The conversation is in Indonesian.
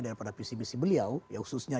daripada pcmc beliau ya khususnya